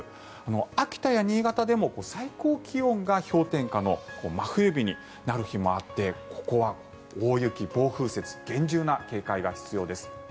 秋田や新潟でも最高気温が氷点下の真冬日になる日もあってここは大雪、暴風雪厳重な警戒が必要です。